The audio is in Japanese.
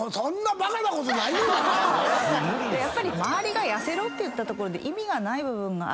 周りが痩せろって言ったところで意味がない部分があるので。